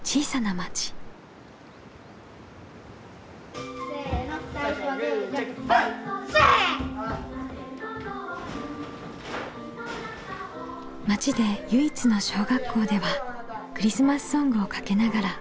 町で唯一の小学校ではクリスマスソングをかけながら大掃除。